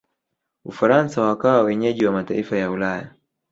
ufaransa wakawa wenyeji wa mataifa ya ulaya